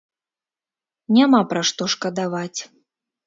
Няма пра што шкадаваць.